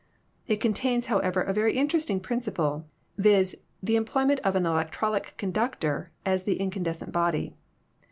It contains, however, a very interesting principle, viz., the employment of an electrolytic conductor as the incandescent body.